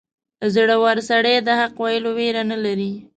• زړور سړی د حق ویلو ویره نه لري.